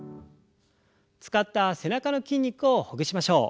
使った背中の筋肉をほぐしましょう。